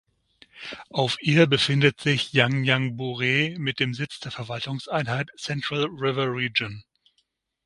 Auf ihr befindet sich Janjanbureh, mit dem Sitz der Verwaltungseinheit Central River Region.